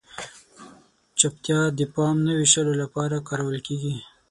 چپتیا د پام نه وېشلو لپاره کارول کیږي.